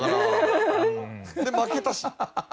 で負けたし。